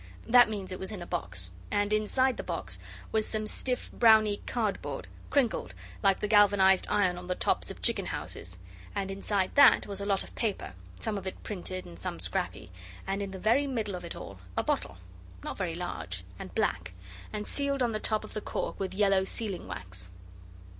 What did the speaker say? That means it was in a box; and inside the box was some stiff browny cardboard, crinkled like the galvanized iron on the tops of chicken houses, and inside that was a lot of paper, some of it printed and some scrappy, and in the very middle of it all a bottle, not very large, and black, and sealed on the top of the cork with yellow sealing wax.